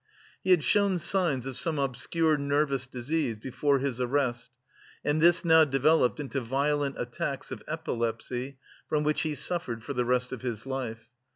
He had shown signs of some obscure nervous disease before his arrest and this now developed into violent attacks of epilepsy, from which he suffered for the rest of his life.